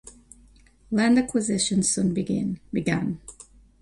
Land acquisition soon began.